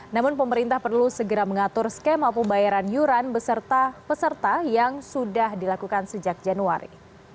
namun pemerintah perlu segera mengatur skema pembayaran yuran beserta peserta yang sudah dilakukan sejak januari